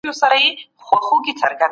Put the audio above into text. ولسي جرګه پر نړيوالو تړونونو غور کوي.